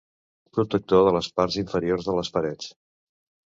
Protectors de les parts inferiors de les parets.